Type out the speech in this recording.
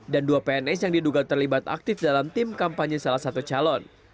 dan dua pns yang diduga terlibat aktif dalam tim kampanye salah satu calon